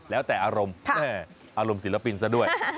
แล้วแต่อารมณ์แม่อารมณ์ศิลปินซะด้วย